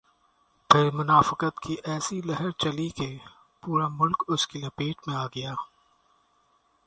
پھر منافقت کی ایسی لہر چلی کہ پورا ملک اس کی لپیٹ میں آ گیا۔